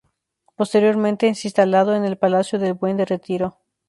Posteriormente es instalado en el Palacio del Buen Retiro.